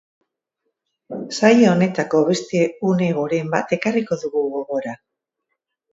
Saio honetako beste une goren bat ekarriko dugu gogora.